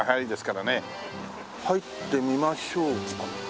入ってみましょうか。